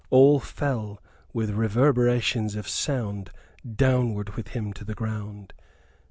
All fell, with reverberations of sound, downward with him to the ground.